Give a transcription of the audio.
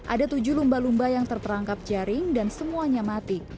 ada tujuh lumba lumba yang terperangkap jaring dan semuanya mati